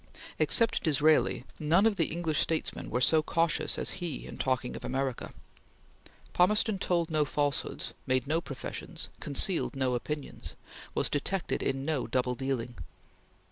Except Disraeli none of the English statesmen were so cautious as he in talking of America. Palmerston told no falsehoods; made no professions; concealed no opinions; was detected in no double dealing.